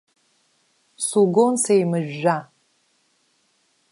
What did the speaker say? Сугон сеимыжәжәа.